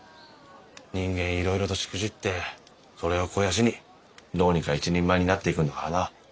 人間いろいろとしくじってそれを肥やしにどうにか一人前になっていくんだからな。